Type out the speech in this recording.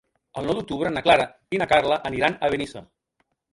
El nou d'octubre na Clara i na Carla aniran a Benissa.